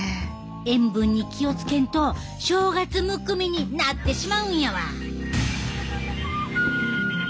塩分に気を付けんと正月むくみになってしまうんやわ！